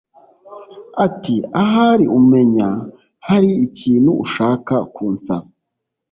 ati: ahari umenya hari ikintu ushaka kunsaba."